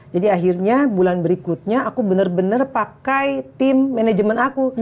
jadi akhirnya bulan berikutnya aku bener bener pakai tim manajemen aku